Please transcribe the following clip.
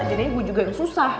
jadinya gue juga yang susah